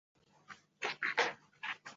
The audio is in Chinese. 该站由金温公司运输部武义站管辖。